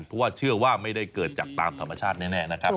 เพราะว่าเชื่อว่าไม่ได้เกิดจากตามธรรมชาติแน่นะครับ